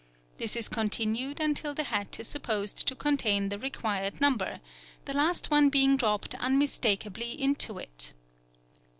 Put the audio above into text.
This is continued until the hat is supposed to contain the required number, the last one being dropped unmistakably into it.